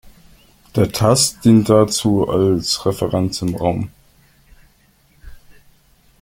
Der Tast dient dazu als Referenz im Raum.